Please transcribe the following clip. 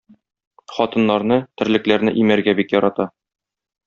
Хатыннарны, терлекләрне имәргә бик ярата.